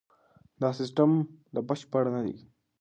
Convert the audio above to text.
دا سیستم لا بشپړ نه دی.